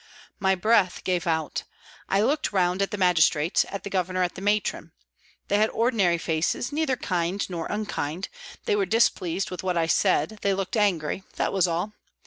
My breath gave out ; I looked round at the Magistrates, at the Governor, at the Matron. They had ordinary faces, neither kind nor unkind ; they were displeased with what I said, they looked angry that was all.